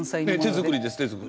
手作りです。